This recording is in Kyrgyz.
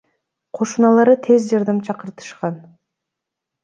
Кошуналары тез жардам чакыртышкан.